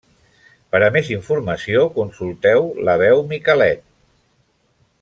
Per a més informació, consulteu la veu Micalet.